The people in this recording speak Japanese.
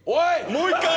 もう１回！